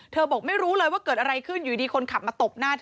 เธอบอกไม่รู้เลยว่าเกิดอะไรขึ้น